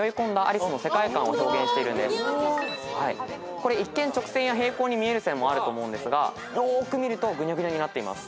これ一見直線や平行に見える線もあると思うんですがよく見るとぐにゃぐにゃになっています。